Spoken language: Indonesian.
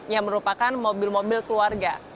yang merupakan mobil mobil keluarga